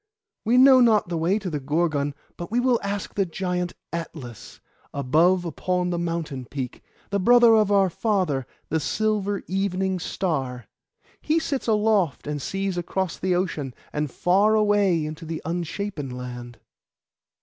We know not the way to the Gorgon; but we will ask the giant Atlas, above upon the mountain peak, the brother of our father, the silver Evening Star. He sits aloft and sees across the ocean, and far away into the Unshapen Land.